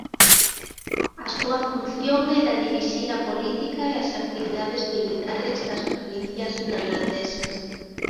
A súa función era dirixir a política e as actividades militares das provincias neerlandesas.